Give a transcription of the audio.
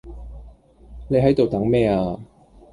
你喺度等咩呀